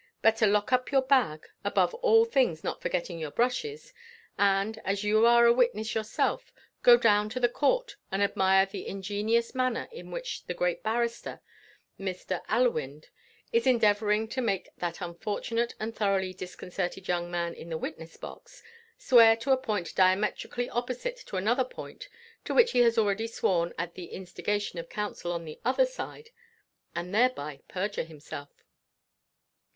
Better lock up your bag, above all things not forgetting your brushes; and, as you are a witness yourself, go down to the court and admire the ingenious manner in which the great barrister, Mr. Allewinde, is endeavouring to make that unfortunate and thoroughly disconcerted young man in the witness box, swear to a point diametrically opposite to another point to which he has already sworn at the instigation of counsel on the other side, and thereby perjure himself.